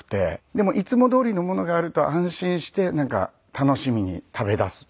でもいつもどおりのものがあると安心して楽しみに食べだすという。